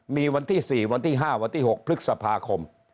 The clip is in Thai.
มีวันที่๔วันที่๕วันที่๖พฤษภาคม